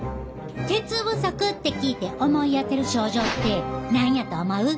鉄不足って聞いて思い当たる症状って何やと思う？